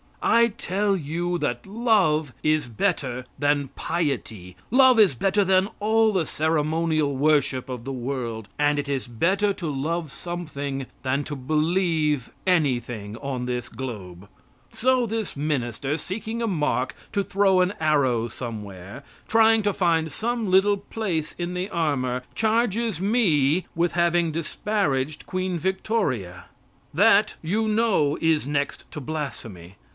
I tell you that love is better than piety, love is better than all the ceremonial worship of the world, and it is better to love something than to believe anything on this globe. So this minister, seeking a mark to throw an arrow somewhere trying to find some little place in the armor charges me with having disparaged Queen Victoria. That you know is next to blasphemy.